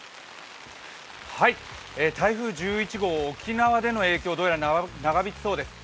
台風１１号、沖縄での影響、どうやら長引きそうです。